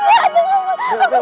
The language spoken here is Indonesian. ya ampun roman